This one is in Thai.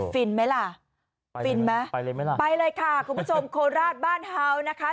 ฟินไหมล่ะฟินไหมไปเลยไหมล่ะไปเลยค่ะคุณผู้ชมโคราชบ้านเฮาวส์นะคะ